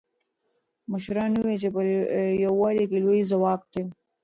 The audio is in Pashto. مشرانو وویل چې په یووالي کې لوی ځواک دی.